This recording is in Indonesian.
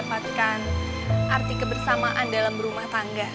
semoga kto mendapatkan arti kebersamaan dalam rumah tangga